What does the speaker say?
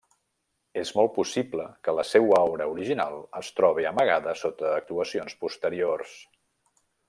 És molt possible que la seua obra original es trobe amagada sota actuacions posteriors.